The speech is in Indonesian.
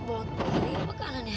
ini bolong kiri apa kanan ya